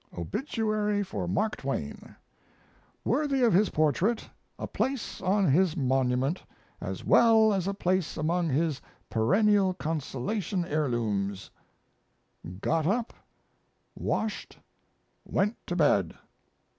OBITUARY FOR "MARK TWAIN" Worthy of his portrait, a place on his monument, as well as a place among his "perennial consolation heirlooms": "Got up; washed; went to bed."